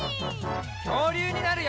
きょうりゅうになるよ！